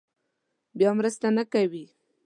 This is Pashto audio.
بیا مرسته نه کوي.